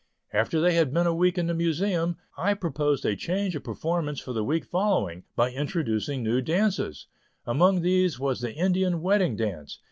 After they had been a week in the Museum, I proposed a change of performance for the week following, by introducing new dances. Among these was the Indian Wedding Dance.